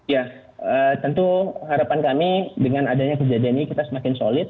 ya tentu harapan kami dengan adanya kejadian ini kita semakin solid